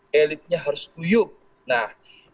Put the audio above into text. nah elitnya harus kuyuk itu tentu harus bersatu